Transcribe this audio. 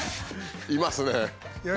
いますね。